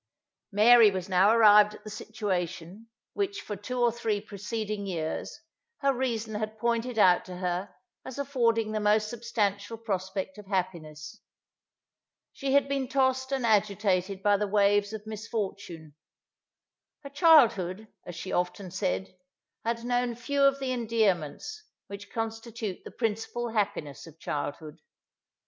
Mary was now arrived at the situation, which, for two or three preceding years, her reason had pointed out to her as affording the most substantial prospect of happiness. She had been tossed and agitated by the waves of misfortune. Her childhood, as she often said, had known few of the endearments, which constitute the principal happiness of childhood.